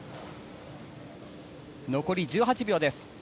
残り１８秒です。